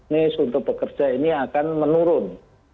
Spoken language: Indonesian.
miss untuk bekerja ini akan menurun